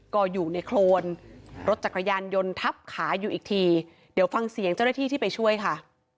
ก็อยู่ในโครนรถจักรยานยนต์ทับขาอยู่อีกทีเดี๋ยวฟังเสียงเจ้าหน้าที่ที่ไปช่วยค่ะ